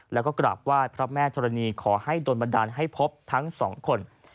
แล้วก็กราบไหว้พระแม่ธรณีขอให้โดนบันดาลให้พบทั้งสองคน